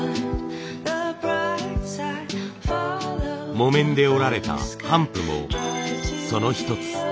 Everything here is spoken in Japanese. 木綿で織られた帆布もその一つ。